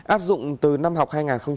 áp dụng từ năm học